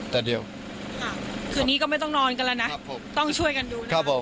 แต่เดียวค่ะคืนนี้ก็ไม่ต้องนอนกันแล้วนะครับผมต้องช่วยกันดูนะครับผม